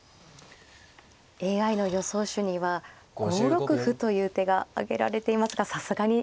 ＡＩの予想手には５六歩という手が挙げられていますがさすがに。